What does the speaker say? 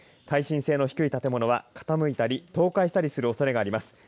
耐震性の低い建物は傾いたり倒壊するおそれがあります。